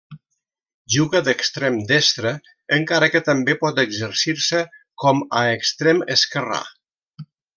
Juga d'extrem destre encara que també pot exercir-se com a extrem esquerrà.